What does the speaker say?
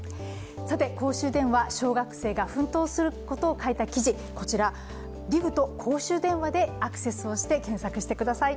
公衆電話、小学生が奮闘することを書いた記事こちら、ＤＩＧと公衆電話でアクセスして検索してください。